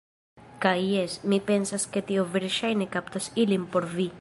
Kaj... jes, mi pensas ke tio verŝajne kaptos ilin por vi.